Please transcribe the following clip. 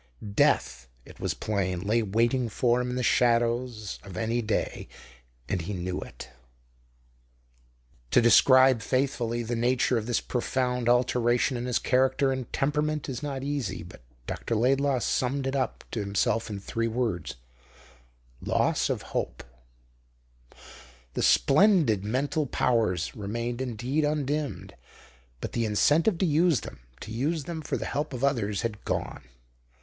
Death, it was plain, lay waiting for him in the shadows of any day and he knew it. To describe faithfully the nature of this profound alteration in his character and temperament is not easy, but Dr. Laidlaw summed it up to himself in three words: Loss of Hope. The splendid mental powers remained indeed undimmed, but the incentive to use them to use them for the help of others had gone.